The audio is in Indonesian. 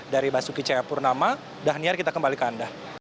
dari basuki cahayapurnama dhaniar kita kembali ke anda